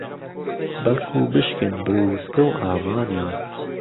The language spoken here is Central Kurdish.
بهڵکوو بشکێن برووسکه و ئامانیان